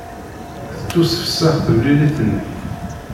Tettusefsex temlilit-nni.